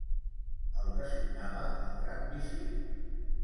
El designava el gran visir.